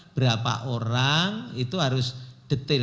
berapa orang itu harus detail